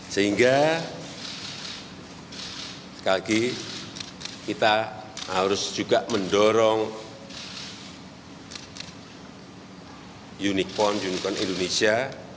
sehingga sekali lagi kita harus juga mendorong unicorn unicorn indonesia